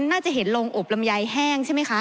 น่าจะเห็นโรงอบลำไยแห้งใช่ไหมคะ